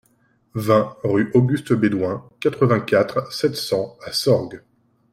vingt rue Auguste Bédoin, quatre-vingt-quatre, sept cents à Sorgues